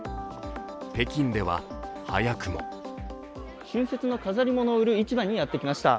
北京では早くも春節の飾り物を売る市場にやってきました。